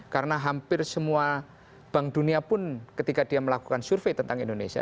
karena hampir semua bank dunia pun ketika dia melakukan survei tentang indonesia